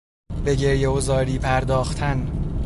به گریه و زاری پرداختن